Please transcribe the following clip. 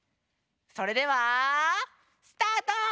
それではスタート！